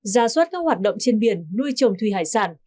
ra suất các hoạt động trên biển nuôi trồng thuy hải sản